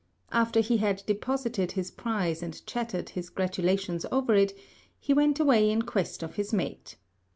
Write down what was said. After he had deposited his prize and chattered his gratulations over it, he went away in quest of his mate.